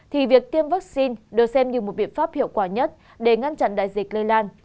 thì việc tiêm vaccine được xem như một biện pháp hiệu quả nhất để ngăn chặn đại dịch lây lan